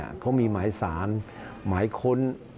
เพราะเขามีหมายศาลหมายค้น